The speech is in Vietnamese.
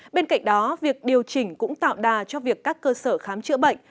bên cạnh đó việc điều chỉnh cũng tạo đà cho việc các cơ sở khám chữa bệnh